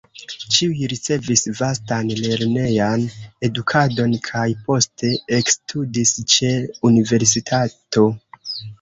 Ĉiuj ricevis vastan lernejan edukadon kaj poste ekstudis ĉe universitato.